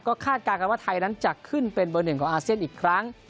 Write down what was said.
ก็คาดการณ์กันว่าไทยนั้นจะขึ้นเป็นเบอร์หนึ่งของอาเซียนอีกครั้ง